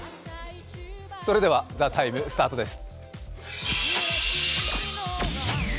それでは「ＴＨＥＴＩＭＥ，」スタートです。